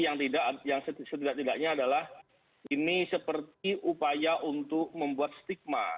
yang setidak tidaknya adalah ini seperti upaya untuk membuat stigma